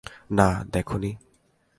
না, দেখোনি!